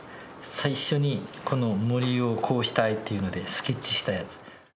最初にこの森をこうしたいっていうのでスケッチしたやつ。